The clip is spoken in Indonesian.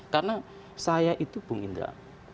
karena saya itu bung indra